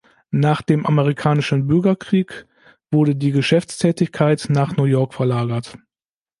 Nach dem Amerikanischen Bürgerkrieg wurde die Geschäftstätigkeit nach New York verlagert.